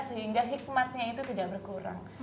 sehingga hikmatnya itu tidak berkurang